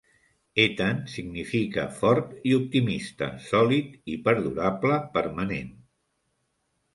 Ethan significa "fort i optimista, sòlid i perdurable, permanent".